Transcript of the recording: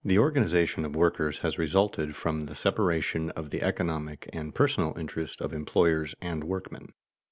_The organization of workers has resulted from the separation of the economic and personal interests of employers and workmen.